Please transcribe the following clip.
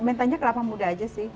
minta aja kelapa muda aja sih